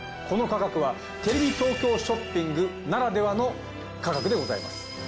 この価格はテレビ東京ショッピングならではの価格でございます。